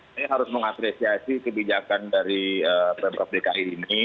saya tidak mau mengatresiasi kebijakan dari pm prof dki ini